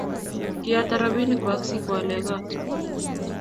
kiata robinik kwak si kuale koot